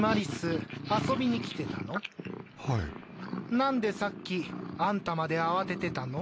何でさっきあんたまで慌ててたの？